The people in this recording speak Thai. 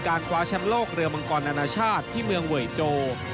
คว้าแชมป์โลกเรือมังกรนานาชาติที่เมืองเวยโจ